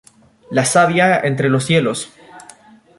La savia entre los hielos.